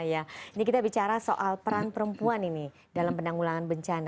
ini kita bicara soal peran perempuan ini dalam penanggulangan bencana